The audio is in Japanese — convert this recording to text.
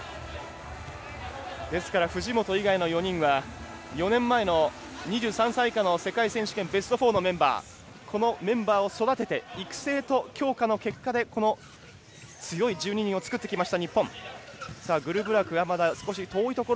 ですから、藤本以外の４人は４年前の２３歳以下の世界選手権ベスト４のメンバーそのメンバーを育てて育成と強化の結果でこの強い１２人をつくってきました日本。